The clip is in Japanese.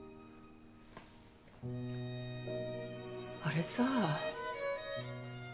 あれさ。